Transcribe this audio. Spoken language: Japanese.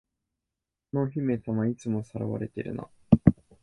あのお姫様、いつも掠われてるな。